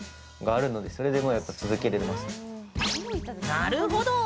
なるほど！